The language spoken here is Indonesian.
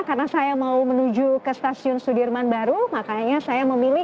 karena saya mau menuju ke stasiun sudirman baru makanya saya memilih